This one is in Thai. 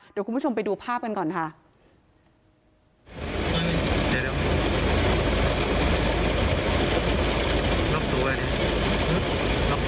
เดี๋ยวคุณผู้ชมไปดูภาพกันก่อนค่ะ